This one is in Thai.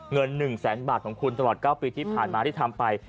เงิน๑แสนบาทของคุณตลอด๙ปีที่ผ่านมาที่ทำไป